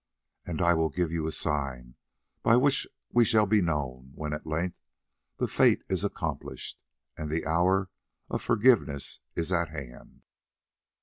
And I will give you a sign by which we shall be known when at length the fate is accomplished, and the hour of forgiveness is at hand.